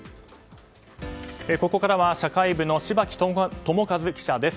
ここからは社会部の柴木友和記者です。